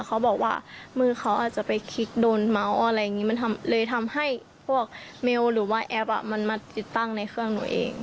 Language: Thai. เขาบอกว่ามือเขาอาจจะไปคลิกโดนเมาส์อะไรอย่างนี้มันเลยทำให้พวกเมลหรือว่าแอปมันมาติดตั้งในเครื่องหนูเอง